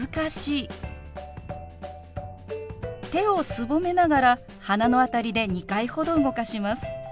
手をすぼめながら鼻の辺りで２回ほど動かします。